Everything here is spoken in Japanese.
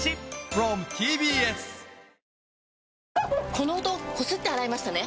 この音こすって洗いましたね？